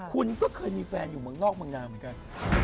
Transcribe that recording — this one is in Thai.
คุณก็เคยมีแฟนอยู่เมืองนอกเมืองนาเหมือนกัน